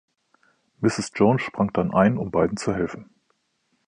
Mrs. Jones sprang dann ein, um beiden zu helfen.